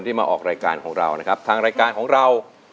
มาออกรายการของเรานะครับทางรายการของเรา